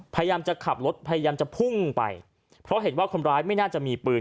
พยายามจะขับรถพยายามจะพุ่งไปเพราะเห็นว่าคนร้ายไม่น่าจะมีปืน